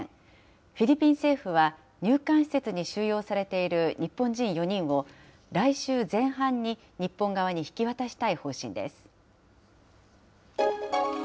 フィリピン政府は、入管施設に収容されている日本人４人を、来週前半に日本側に引き渡したい方針です。